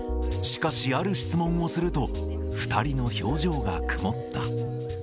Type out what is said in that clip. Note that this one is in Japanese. しかし、ある質問をすると、２人の表情が曇った。